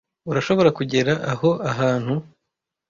Urashobora kugera aho ahantu